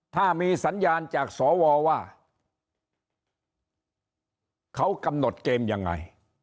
ถ้ามีสัญญาณจากสวว่าเขากำหนดเกมยังไง